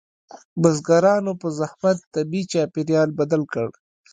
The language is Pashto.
بزګرانو په زحمت طبیعي چاپیریال بدل کړ.